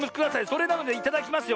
それなのでいただきますよ